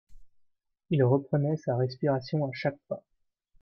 Il reprenait sa respiration à chaque pas.